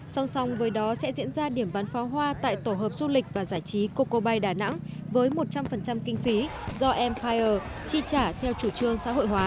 song song với đó sẽ diễn ra điểm bán pháo hoa tại tổ hợp du lịch và giải trí coco bay đà nẵng với một trăm linh kinh phí do empire chi trả theo chủ trương